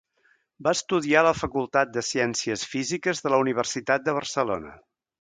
Va estudiar a la Facultat de Ciències Físiques de la Universitat de Barcelona.